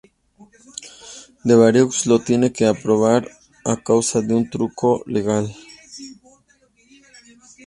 Devereaux lo tiene que aprobar a causa de un truco legal.